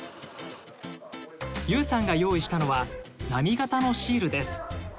結有さんが用意したのは波形のシールです。